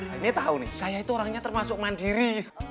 ini tahu nih saya itu orangnya termasuk mandiri